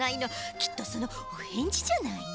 きっとそのおへんじじゃないの？